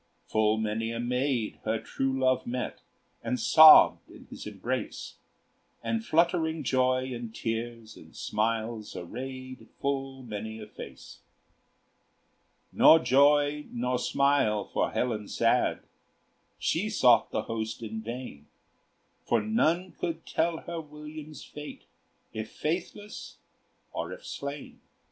Full many a maid her true love met, And sobbed in his embrace, And fluttering joy in tears and smiles Arrayed full many a face. Nor joy nor smile for Helen sad; She sought the host in vain; For none could tell her William's fate, If faithless or if slain.